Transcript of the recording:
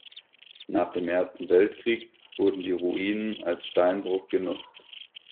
Nach dem Ersten Weltkrieg wurden die Ruinen als Steinbruch genutzt.